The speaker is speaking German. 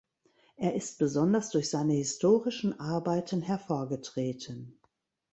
Er ist besonders durch seine historischen Arbeiten hervorgetreten.